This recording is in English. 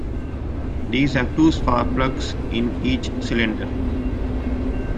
These have two spark plugs in each cylinder.